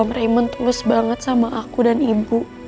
om raymond tulus banget sama aku dan ibu